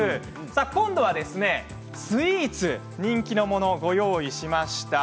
今度はスイーツ人気のものをご用意しました。